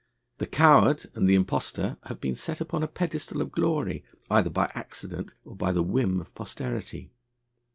The coward and the impostor have been set upon a pedestal of glory either by accident or by the whim of posterity.